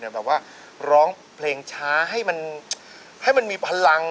แบบว่าร้องเพลงช้าให้มันให้มันมีพลัง